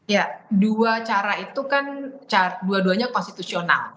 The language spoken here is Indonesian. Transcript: ya dua cara itu kan dua duanya konstitusional